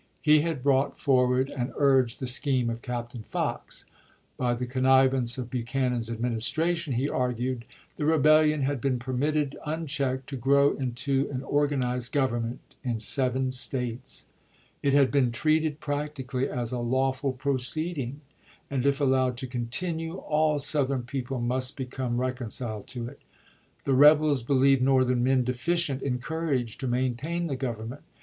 He had brought forward and urged the scheme of Captain Fox. By the connivance of Buchanan's Adminis tration, he argued, the rebellion had been permitted unchecked to grow into an organized government in seven States. It had been treated practically as a lawful proceeding; and, if allowed to continue, all Southern people must become reconciled to it. The rebels believed Northern men deficient in courage to maintain the Government.